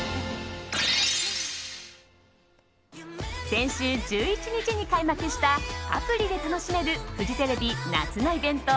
先週１１日に開幕したアプリで楽しめるフジテレビ夏のイベント